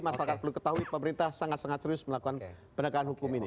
masyarakat perlu ketahui pemerintah sangat sangat serius melakukan pendekatan hukum ini